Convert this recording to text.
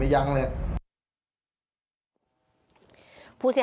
ห้ามกันครับผม